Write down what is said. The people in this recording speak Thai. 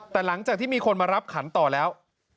แต่หลังจากที่มีคนมารับขันต่อแล้ว